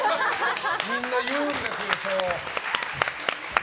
みんなそう言うんですよ。